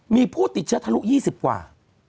มีผู้ติดเชื้อทะลุ๒๐กว่า